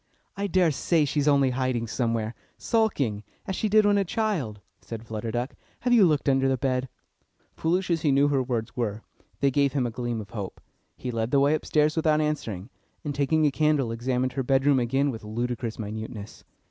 "I daresay she's only hiding somewhere, sulking, as she did when a child," said Flutter Duck. "Have you looked under the bed?" Foolish as he knew her words were, they gave him a gleam of hope. He led the way upstairs without answering, and taking a candle, examined her bedroom again with ludicrous minuteness.